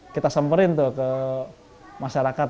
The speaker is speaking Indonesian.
kita semperin ke masyarakat